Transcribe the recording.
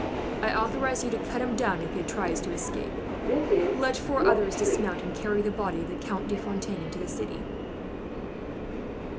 I authorize you to cut him down, if he tries to escape. Let four others dismount, and carry the body of the Count de Fontaine into the city.